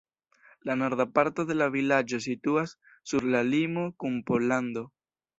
La norda parto de la vilaĝo situas sur la limo kun Pollando.